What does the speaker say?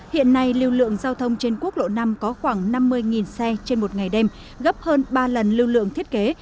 hiện nay lưu lượng giao thông trên quốc lộ năm có khoảng năm mươi xe trên một ngày đêm gấp hơn ba lần lưu lượng thiết kế